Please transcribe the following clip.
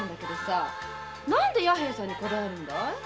なんで弥平さんにこだわるんだい？